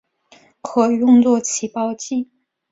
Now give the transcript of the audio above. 可用作起爆剂。